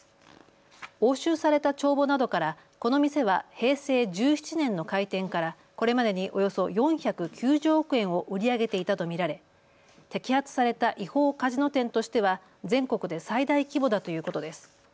押収された帳簿などからこの店は平成１７年の開店からこれまでにおよそ４９０億円を売り上げていたと見られ摘発された違法カジノ店としては全国で最大規模だということです。